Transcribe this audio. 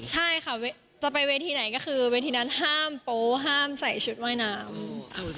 ใช่ค่ะจะไปเวทีไหนก็คือเวทีนั้นห้ามโป๊ห้ามใส่ชุดว่ายน้ำ